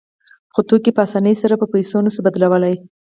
خو توکي په اسانۍ سره په پیسو نشو بدلولی